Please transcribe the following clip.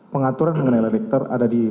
pengaturan mengenai lay detektor ada di